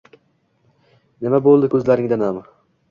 Nima buldi kuzlaringda nam